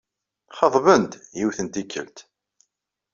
Xeḍbeɣ-d, yiwet n tikkelt.